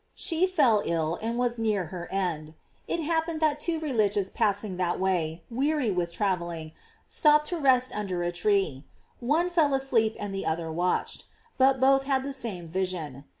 She fell ill, and was near her end. It happened that two religious passing that way, weary with travel ling, stopped to rest under a tree; one fell asleep and the other watched, but both had the same vision.